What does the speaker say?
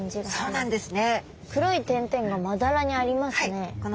そうなんです！